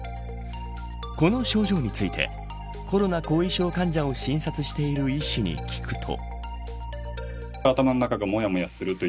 この症状についてコロナ後遺症患者を診察している医師に聞くと。